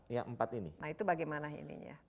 ya empat ini nah itu bagaimana ini ya